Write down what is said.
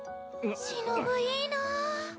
しのぶいいな。